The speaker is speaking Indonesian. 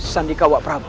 sandika wak prabu